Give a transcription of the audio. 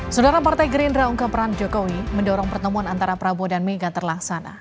saudara partai gerindra ungkapan jokowi mendorong pertemuan antara prabowo dan mega terlaksana